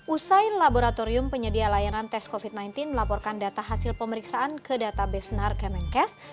usai laboratorium penyedia layanan tes covid sembilan belas melaporkan data hasil pemeriksaan ke database nar kemenkes